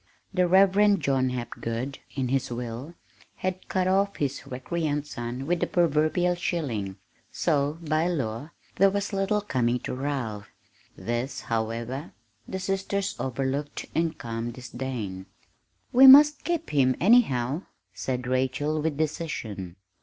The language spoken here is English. The Reverend John Hapgood, in his will, had cut off his recreant son with the proverbial shilling, so, by law, there was little coming to Ralph. This, however, the sisters overlooked in calm disdain. "We must keep him, anyhow," said Rachel with decision.